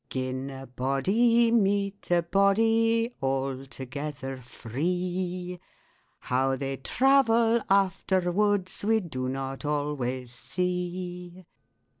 Gin a body meet a body Altogether free. How they travel afterwards We do not always see.